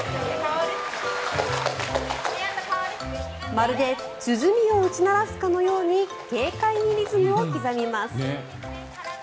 まるで鼓を打ち鳴らすかのように軽快にリズムを刻みます。